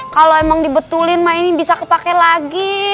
kalau emang dibetulin mah ini bisa kepake lagi